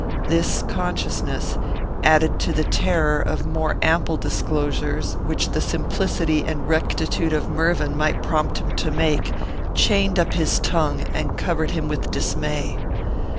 This consciousness, added to the terror of more ample disclosures, which the simplicity and rectitude of Mervyn might prompt him to make, chained up his tongue, and covered him with dismay.